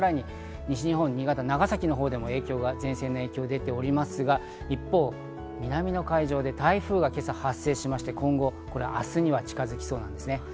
西日本、新潟、長崎なども前線の影響を受けておりますが、一方、南の海上で台風は今朝発生しまして今後、明日には近づきそうです。